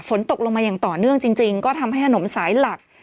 ฝนตกลงมาอย่างต่อเนื่องจริงก็ทำให้ถนนสายหลัก